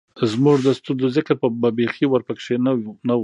زمونږ د ستونزو ذکــــــر به بېخي ورپکښې نۀ وۀ